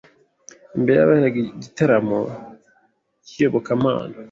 imbere y’ahaberaga igiterane cy’iyobokamana